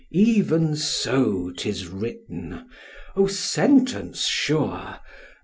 Even so 'tis written: (Oh sentence sure!)